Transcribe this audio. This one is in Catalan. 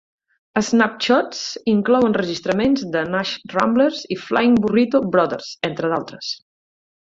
"Snapshots" inclou enregistraments de Nash Ramblers i Flying Burrito Brothers, entre d'altres.